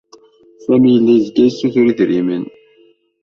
Sami yella yezga yessutur idrimen.